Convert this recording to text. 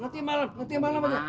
nanti malam nanti malam aja